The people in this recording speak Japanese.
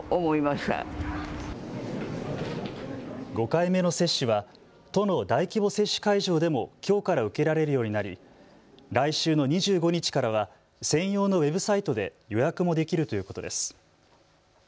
５回目の接種は都の大規模接種会場でもきょうから受けられるようになり来週の２５日からは専用のウェブサイトで予約もできるということです。